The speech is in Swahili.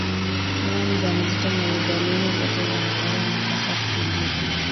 mama mjamzito mwenye dalili zote za malaria anapaswa kutibiwa